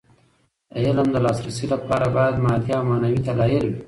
د علم د لاسرسي لپاره باید مادي او معنوي دلايل وي.